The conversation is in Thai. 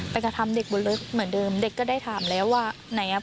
กระทำเด็กบนรถเหมือนเดิมเด็กก็ได้ถามแล้วว่าไหนอ่ะ